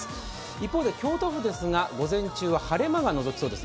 一方で京都府ですが、午前中は晴れ間がのぞきそうです。